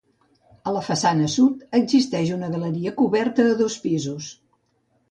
A la façana sud existeix una galeria coberta a dos pisos.